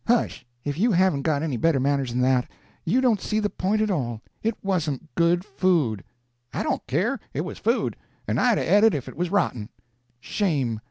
"Hush, if you haven't got any better manners than that. You don't see the point at all. It wasn't good food." "I don't care it was food, and I'd 'a' et it if it was rotten." "Shame!